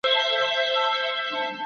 د مېوو استعمال د بدن مقاومت لوړوي.